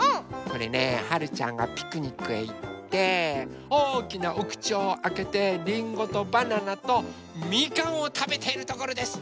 これねはるちゃんがピクニックへいっておおきなおくちをあけてりんごとバナナとみかんをたべているところです！